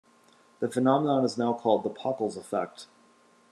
This phenomenon is now called the Pockels effect.